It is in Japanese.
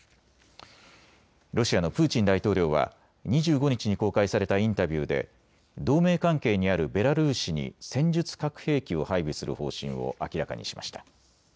ロシアのプーチン大統領は２５日に公開されたインタビューで同盟関係にあるベラルーシに戦術核兵器を配備する方針を明らかにしました。